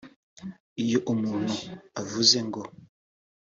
Iyo umuntu avuze ngo